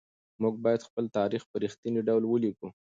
موږ بايد خپل تاريخ په رښتيني ډول ولېکو.